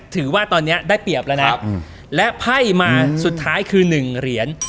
ถือว่าตอนนี้ได้เปรียบแล้วนะและไพ่มาสุดท้ายคือหนึ่งเหรียญ